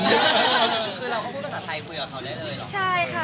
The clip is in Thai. คือเราก็พูดภาษาไทยคุยกับเขาได้เลยเหรอใช่ค่ะ